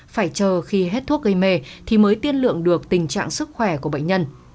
phải chờ khi hết thuốc gây mê thì mới tiên lượng được tình trạng sức khỏe của bệnh nhân